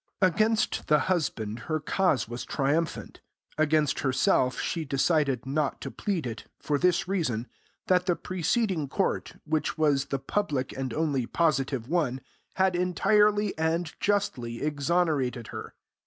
Against the husband her cause was triumphant. Against herself she decided not to plead it, for this reason, that the preceding Court, which was the public and only positive one, had entirely and justly exonerated her.